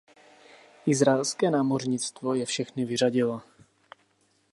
Izraelské námořnictvo je všechny vyřadilo.